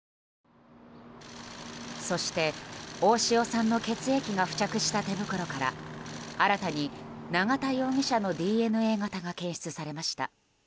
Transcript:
そして、大塩さんの血液が付着した手袋から新たに永田容疑者のＤＮＡ型が検出されました。